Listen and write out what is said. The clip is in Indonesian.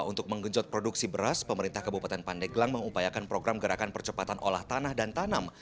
untuk menggenjot produksi beras pemerintah kabupaten pandeglang mengupayakan program gerakan percepatan olah tanah dan tanam